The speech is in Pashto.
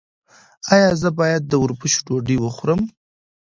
ایا زه باید د وربشو ډوډۍ وخورم؟